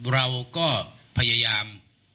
เราก็พยายาม